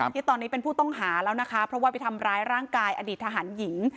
ที่ตอนนี้เป็นผู้ต้องหาแล้วนะคะเพราะว่าไปทำร้ายร่างกายอดีตทหารหญิง